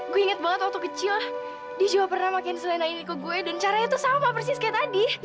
gue inget banget waktu kecil dia juga pernah makan selena ini ke gue dan caranya itu sama persis kayak tadi